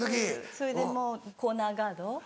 それでもうコーナーガード